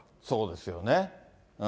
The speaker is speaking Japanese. そうですよね。